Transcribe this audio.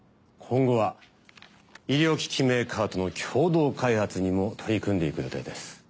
今後は医療機器メーカーとの共同開発にも取り組んでいく予定です。